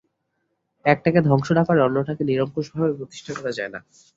একটাকে ধ্বংস না করে অন্যটাকে নিরঙ্কুশভাবে প্রতিষ্ঠা করা যায় না।